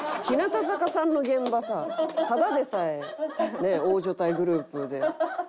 日向坂さんの現場さただでさえねえ大所帯グループで。